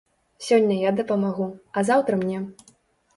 Сёння я дапамагу, а заўтра мне.